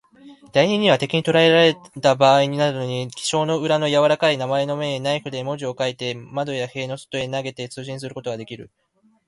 第二には、敵にとらえられたばあいなどに、記章の裏のやわらかい鉛の面へ、ナイフで文字を書いて、窓や塀の外へ投げて、通信することができる。